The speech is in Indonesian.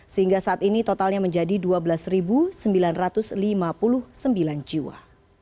sehingga saat ini totalnya menjadi dua belas sembilan ratus lima puluh sembilan jiwa